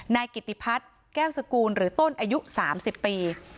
นายกิติพัฒน์แก้วสกูลหรือต้นอายุ๓๐ปี